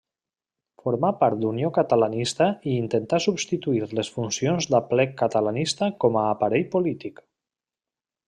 Formà part d'Unió Catalanista i intentà substituir les funcions d'Aplec Catalanista com a aparell polític.